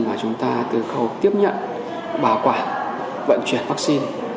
mà chúng ta từ khâu tiếp nhận bảo quản vận chuyển vaccine